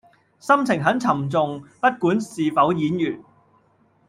心情很沉重不管是否演員